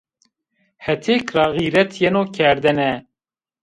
Hetêk ra xîret yeno kerdene